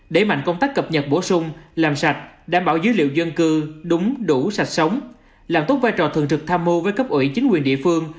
đẩy mạnh công tác cập nhật bổ sung làm sạch đảm bảo dữ liệu dân cư đúng đủ sạch sống làm tốt vai trò thường trực tham mưu với cấp ủy chính quyền địa phương